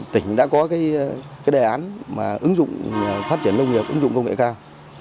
tỉnh đã có cái đề án mà ứng dụng phát triển nông nghiệp ứng dụng công nghệ cao